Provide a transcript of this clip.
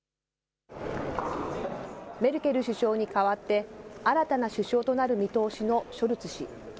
メルケル首相に代わって、新たな首相となる見通しのショルツ氏。